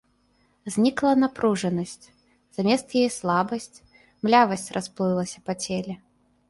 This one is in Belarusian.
Знікла напружанасць, замест яе слабасць, млявасць расплылася па целе.